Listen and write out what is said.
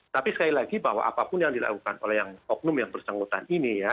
tapi sekali lagi bahwa apapun yang dilakukan oleh oknum yang bersangkutan ini ya